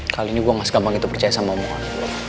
kali ini gue gak segampang gitu percaya sama om anwar